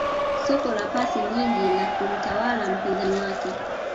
Soka la pasi nyingi la kumtawala mpinzani wake